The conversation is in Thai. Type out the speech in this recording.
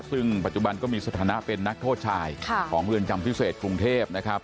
ซึ่งปัจจุบันก็มีสถานะเป็นนักโทษชายของเรือนจำพิเศษกรุงเทพนะครับ